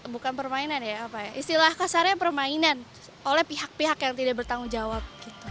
bukan permainan ya apa ya istilah kasarnya permainan oleh pihak pihak yang tidak bertanggung jawab